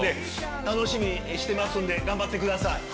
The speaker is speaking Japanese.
楽しみにしてますんで頑張ってください。